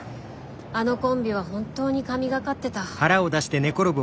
あのコンビは本当に神がかってた。